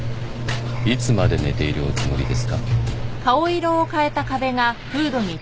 いつまで寝ているおつもりですか？